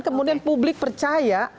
kemudian publik percaya